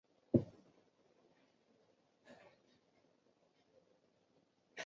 谷歌金山词霸是一款基于互联网查询的翻译软件。